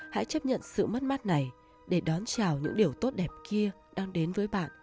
hãy chấp nhận sự mất mát này để đón chào những điều tốt đẹp kia đang đến với bạn